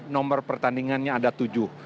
nomor pertandingannya ada tujuh